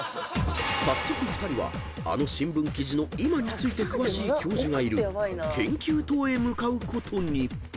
［早速２人はあの新聞記事の今について詳しい教授がいる研究棟へ向かうことに］